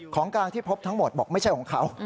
ของกลางที่พบทั้งหมดบอกไม่ใช่ของเขา